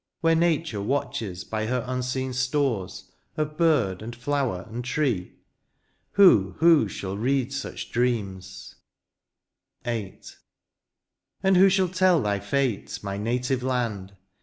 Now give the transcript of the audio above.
Where nature watches by her unseen stores Of bird, and flower, and tree ? who, who shall read such dreams ? THE FUTURE. 135 VIII. And who shall tell thy fate, my native land